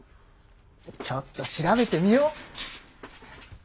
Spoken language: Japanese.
ちょっと調べてみよっ。